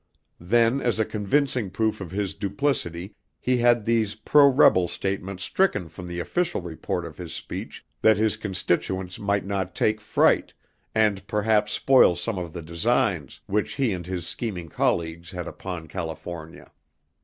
Then, as a convincing proof of his duplicity, he had these pro rebel statements stricken from the official report of his speech, that his constituents might not take fright, and perhaps spoil some of the designs which he and his scheming colleagues had upon California.